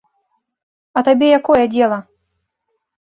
А табе якое дзела?